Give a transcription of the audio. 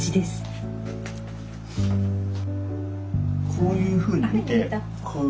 こういうふうに見てこう。